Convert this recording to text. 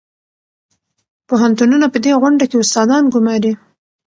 پوهنتونونه په دې غونډه کې استادان ګماري.